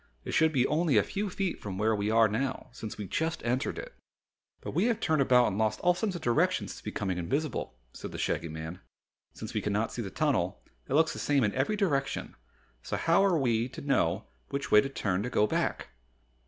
It should be only a few feet from where we are now since we just entered it." "But we have turned about and lost all sense of direction since becoming invisible," said the Shaggy Man. "Since we cannot see the tunnel, it looks the same in every direction, so how are we to know which way to turn to go back?"